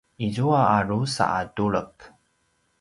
izua a drusa a tulek